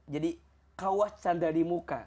jadi kawasan dari muka